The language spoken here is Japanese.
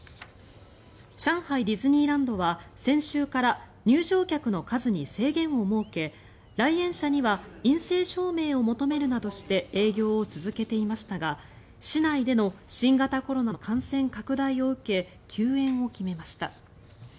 上海ディズニーランドは先週から入場客の数に制限を設け来園者には陰性証明を求めるなどして営業を続けていましたが市内での新型コロナの感染拡大を受け休園を決めました。